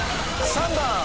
３番。